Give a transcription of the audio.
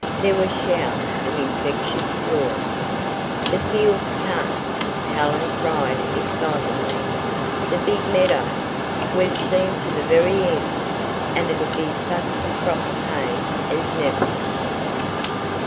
There were shouts of infectious joy. "The field's cut!" Helen cried excitedly "the big meadow! We've seen to the very end, and it'll be such a crop of hay as never!"